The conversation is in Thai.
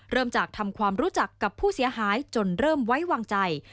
เริ่มจากทำความรู้จักกับผู้เสียหายจนเริ่มไว้วางใจ